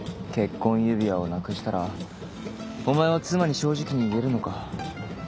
結婚指輪をなくしたらお前は妻に正直に言えるのか？